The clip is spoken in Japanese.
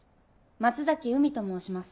松崎海と申します。